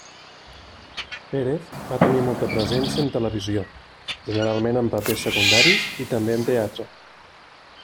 Pérez va tenir molta presència en televisió, generalment en papers secundaris, i també en teatre.